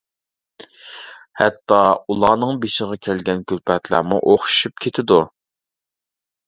ھەتتا، ئۇلارنىڭ بېشىغا كەلگەن كۈلپەتلەرمۇ ئوخشىشىپ كېتىدۇ.